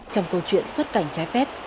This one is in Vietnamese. trong câu chuyện xuất cảnh trái phép